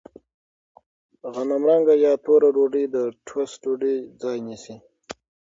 غنمرنګه یا توره ډوډۍ د ټوسټ ډوډۍ ځای نیسي.